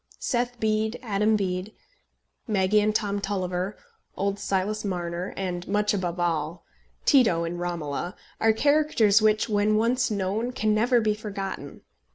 Seth Bede, Adam Bede, Maggie and Tom Tulliver, old Silas Marner, and, much above all, Tito, in Romola, are characters which, when once known, can never be forgotten.